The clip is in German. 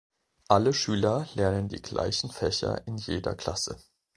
Alle Schüler lernen die gleichen Fächer in jeder Klasse.